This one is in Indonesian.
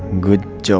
bagus ya al